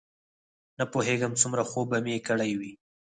نه پوهېږم څومره خوب به مې کړی وي.